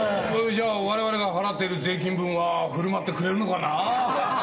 じゃあ我々が払っている税金分は振る舞ってくれるのかな？